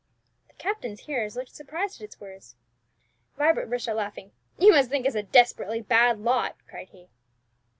'" The captain's hearers looked surprised at his words. Vibert burst out laughing. "You must think us a desperately bad lot!" cried he.